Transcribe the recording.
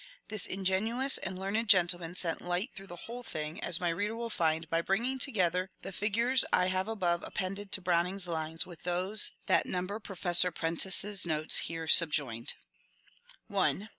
This ingenious and learned gentleman sent light through the whole thing, as my reader will find by bringing together the figures I have above appended to Browning's lines with those that number Pro fessor Prentice's notes here subjoined :— 1.